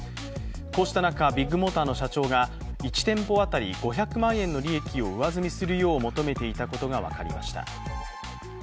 こうした中、ビッグモーターの社長が１店舗当たり５００万円の利益を上積みするよう求めていたことが分かりました。